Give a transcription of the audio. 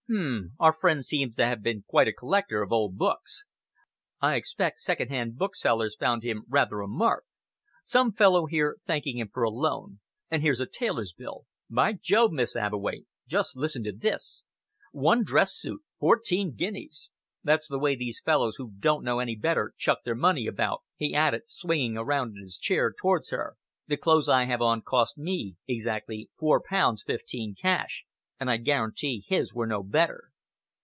"Hm! Our friend seems to have been quite a collector of old books. I expect second hand booksellers found him rather a mark. Some fellow here thanking him for a loan. And here's a tailor's bill. By Jove, Miss Abbeway, just listen to this! 'One dress suit fourteen guineas!' That's the way these fellows who don't know any better chuck their money about," he added, swinging around in his chair towards her. "The clothes I have on cost me exactly four pounds fifteen cash, and I guarantee his were no better."